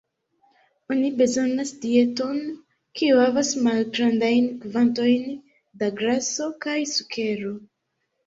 Oni bezonas dieton kiu havas malgrandajn kvantojn da graso kaj sukero.